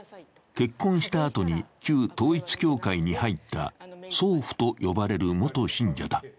結婚したあとに旧統一教会に入った壮婦と呼ばれる元信者だ。